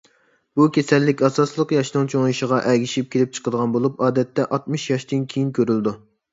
بۇ كېسەللىك ئاساسلىقى ياشنىڭ چوڭىيىشىغا ئەگىشىپ كېلىپ چىقىدىغان بولۇپ، ئادەتتە ئاتمىش ياشتىن كېيىن كۆرۈلىدۇ.